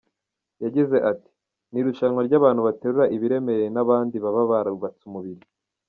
Yagize ati: “ Ni irushanwa ry’abantu baterura ibiremereye na ba bandi baba barubatse umubiri.